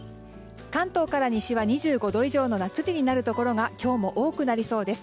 関東から西は２５度以上の夏日になるところが今日も多くなりそうです。